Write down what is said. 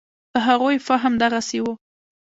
د هغوی فهم دغسې و.